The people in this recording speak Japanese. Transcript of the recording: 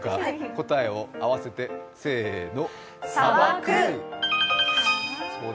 答えを合わせて、せーの。